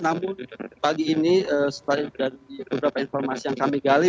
namun pagi ini dari beberapa informasi yang kami gali